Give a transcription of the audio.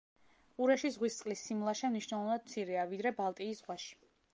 ყურეში ზღვის წყლის სიმლაშე მნიშვნელოვნად მცირეა, ვიდრე ბალტიის ზღვაში.